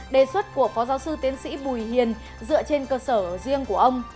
đề xuất của phó giáo sư tiến sĩ bùi hiền dựa trên cơ sở riêng của ông